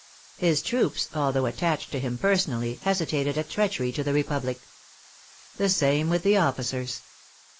His troops, although attached to him personally, hesitated at treachery to the Republic. The same with the officers.